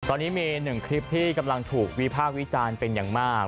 ตอนนี้มีหนึ่งคลิปที่กำลังถูกวิพากษ์วิจารณ์เป็นอย่างมาก